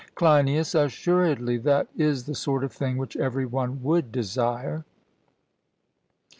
CLEINIAS: Assuredly, that is the sort of thing which every one would desire.